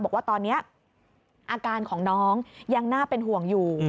บอกว่าตอนนี้อาการของน้องยังน่าเป็นห่วงอยู่